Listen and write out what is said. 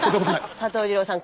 佐藤二朗さん